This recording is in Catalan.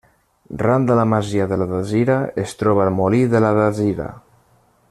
Ran de la masia de la Datzira es troba el molí de la Datzira.